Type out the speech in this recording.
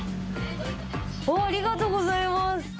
ありがとうございます。